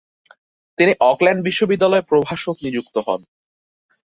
তিনি অকল্যান্ড বিশ্ববিদ্যালয়ে প্রভাষক নিযুক্ত হন।